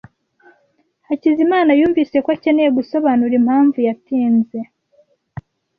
Hakizimana yumvise ko akeneye gusobanura impamvu yatinze.